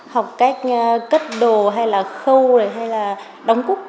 học cách cất đồ hay là khâu này hay là đóng cúc